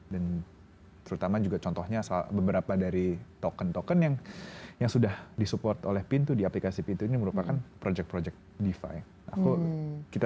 terutama juga contohnya beberapa dari token token yang yang sudah disupport oleh pintu di aplikasi pintu ini merupakan project project defi